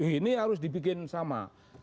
ini harus dibikin sama